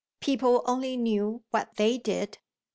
People only knew what they did.